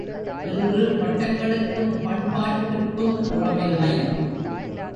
இன்று பட்டங்களுக்கும் பண்பாட்டுக்கும் உறவில்லை.